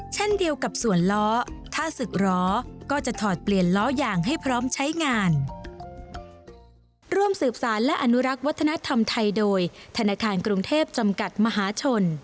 ชั้นเดียวกับส่วนล้อถ้าสึกล้อก็จะถอดเปลี่ยนล้อย่างให้พร้อมใช้งาน